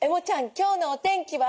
今日のお天気は？